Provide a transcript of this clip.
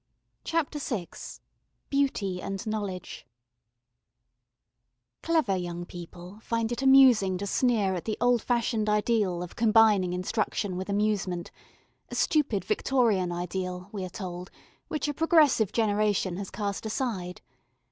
CHAPTER VI Beauty and Knowledge CLEVER young people find it amusing to sneer at the old fashioned ideal of combining instruction with amusement a stupid Victorian ideal, we are told, which a progressive generation has cast aside.